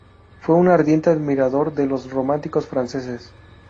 Fue un ardiente admirador de los románticos franceses.